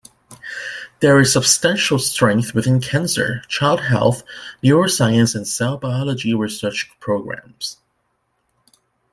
There is substantial strength within cancer, child health, neuroscience, and cell biology research programs.